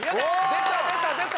出た出た出た！